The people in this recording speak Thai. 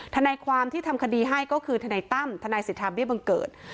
ทะนายความที่ทำคดีให้ก็คือทะนายตั้มทะนายศิษย์ธรรมดิบังเกิด